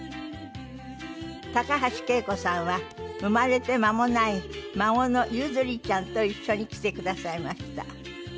高橋惠子さんは生まれて間もない孫の柚莉ちゃんと一緒に来てくださいました。